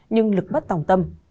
nhưng lực bất tòng tâm